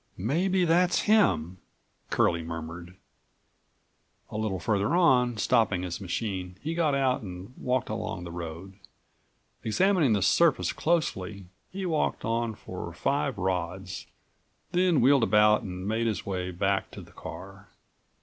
"Maybe that's him," Curlie murmured. A little farther on, stopping his machine, he got out and walked along the road. Examining the surface closely, he walked on for five rods, then wheeled about and made his way back to the car.